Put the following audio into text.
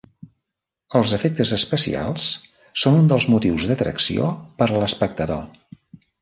Els efectes especials són un dels motius d'atracció per a l'espectador.